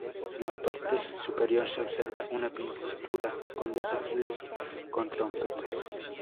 En la parte superior se observa una pintura con dos ángeles con trompetas.